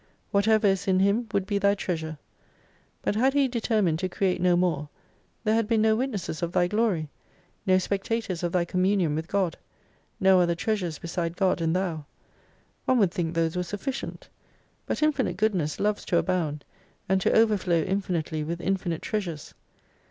Whatever is in Him would be thy Treasure. But had He determined to create no more : there had been no witnesses of thy Glory, no spectators of thy communion with God, no other treasures beside God and thou. One would think those were sufficient. But Infinite Goodness loves to abound, and to overflow infinitely with infinite treasures.